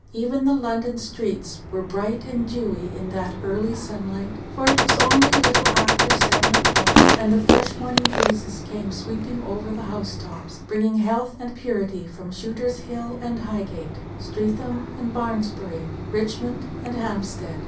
Even the London streets were bright and dewy in that early sunlight, for it was only a little after seven o'clock, and the fresh morning breezes came sweeping over the house tops, bringing health and purity from Shooter's Hill and Highgate, Streatham and Barnsbury, Richmond and Hampstead.